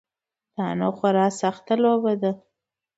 دا نو خورا سخته لوبه ده.